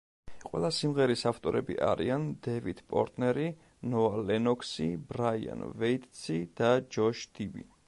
ყველა სიმღერის ავტორები არიან დევიდ პორტნერი, ნოა ლენოქსი, ბრაიან ვეიტცი და ჯოშ დიბი.